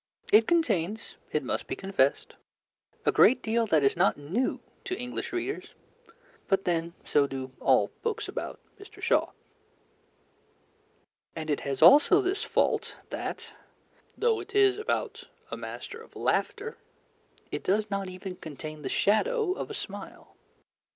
It contains, it must be confessed, a great deal that is not new to English readers, but then so do all books about Mr. Shaw. And it has also this fault that, though it is about a master of laughter, it does not contain even the shadow of a smile.